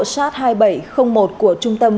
sars hai nghìn bảy trăm linh một của trung tâm